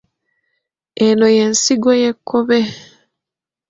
Eno y’ensigo y’ekkobe.